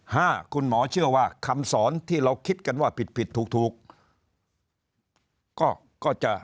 ห้าคุณหมอเชื่อว่าคำสอนที่เราคิดกันว่าผิดผิดถูกก็จะ